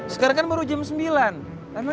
sekarang kan baru jam sembilan